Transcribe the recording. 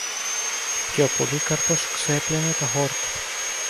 και ο Πολύκαρπος ξέπλενε τα χόρτα.